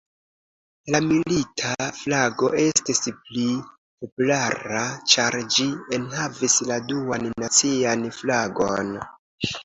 La Milita Flago estis pli populara, ĉar ĝi enhavis la Duan Nacian Flagon.